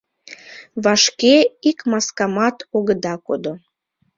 Вашке ик маскамат огыда кодо.